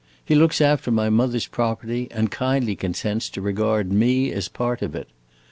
He looks after my mother's property and kindly consents to regard me as part of it.